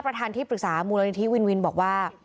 ประธานที่ปรึกษามูลนิธิวินวินบอกว่า